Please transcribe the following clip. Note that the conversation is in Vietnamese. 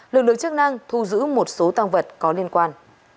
lực lượng chức năng thu giữ một số tăng vật có liên quan